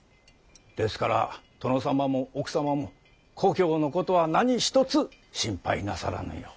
ですから殿様も奥様も故郷のことは何一つ心配なさらぬよう。